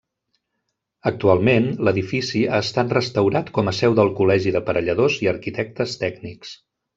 Actualment l'edifici ha estat restaurat com a seu del Col·legi d'Aparelladors i Arquitectes Tècnics.